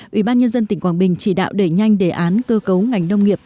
ủy ban nhân dân tỉnh quảng bình chỉ đạo đẩy nhanh đề án cơ cấu ngành nông nghiệp